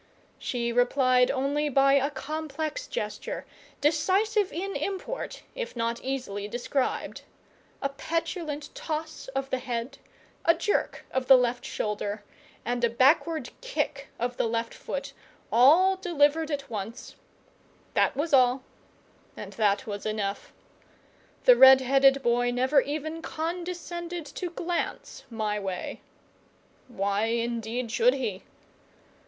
She replied only by a complex gesture, decisive in import if not easily described. A petulant toss of the head, a jerk of the left shoulder, and a backward kick of the left foot, all delivered at once that was all, and that was enough. The red headed boy never even condescended to glance my way. Why, indeed, should he?